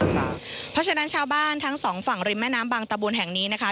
เพราะฉะนั้นชาวบ้านทั้งสองฝั่งริมแม่น้ำบางตะบุญแห่งนี้นะคะ